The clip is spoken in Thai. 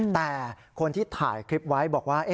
แต่คนที่ถ่ายคลิปไว้บอกว่า